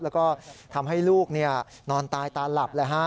แล้วก็ทำให้ลูกนอนตายตาหลับเลยฮะ